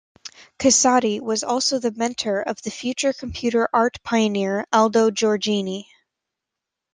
Casati was also the mentor of the future computer art pioneer Aldo Giorgini.